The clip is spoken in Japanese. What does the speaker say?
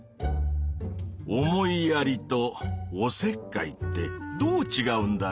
「思いやり」と「おせっかい」ってどうちがうんだろうねぇ？